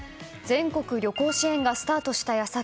全国旅行支援がスタートした矢先